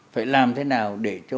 phải làm thế nào để cho vấn đề tốt hơn